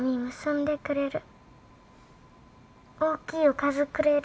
大きいおかずくれる。